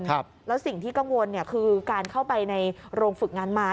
แล้วสิ่งที่กังวลเนี่ยคือการเข้าไปในโรงฝึกงานไม้